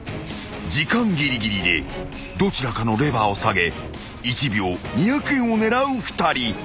［時間ぎりぎりでどちらかのレバーを下げ１秒２００円を狙う２人］